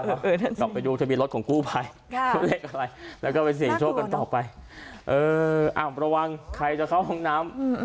กลับไปดูจะมีรถของกู้ไปแล้วก็ไปเสียงโชคกันต่อไปอ่าประวังใครจะเข้าห้องน้ำ